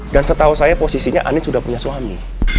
dan setahu saya posisinya andin sudah punya suami